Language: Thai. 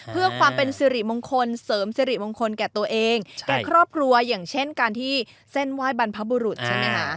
เพื่อความเป็นสิริมงคลเสริมสิริมงคลแก่ตัวเองแก่ครอบครัวอย่างเช่นการที่เส้นไหว้บรรพบุรุษใช่ไหมคะ